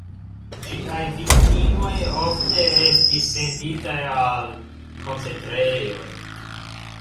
Ĝiaj viktimoj ofte estis senditaj al koncentrejoj.